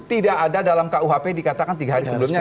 tidak ada dalam kuhp dikatakan tiga hari sebelumnya